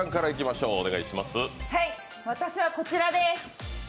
私はこちらです！